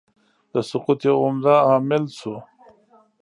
د سقوط یو عمده عامل شو.